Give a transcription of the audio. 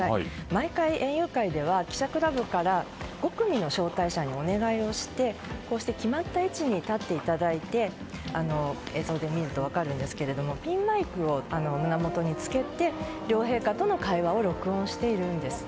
毎回、園遊会では記者クラブから５組の招待者にお願いをしてこうして決まった位置に立っていただいて映像で見ると分かるんですがピンマイクを胸元に着けて、両陛下との会話を録音しているんです。